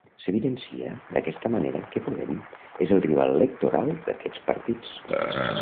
S'evidencia d'aquesta manera que Podem és el rival electoral d'aquests partits.